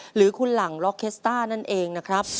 หรือคุณหลังล็อกเคสต้านั่นเองนะครับ